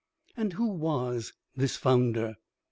] And who was this founder?